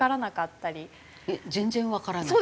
全然わからない。